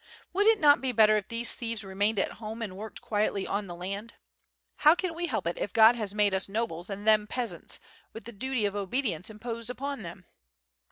Would it not be better if these thieves remained at home and worked quietly on the land. How can we help it if God has made us nobles and them peasants, with the duty of obedience im posed upon them.